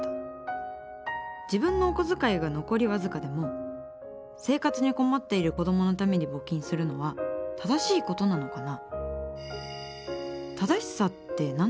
自分のお小遣いが残り僅かでも生活に困っている子どものために募金するのは正しいことなのかな？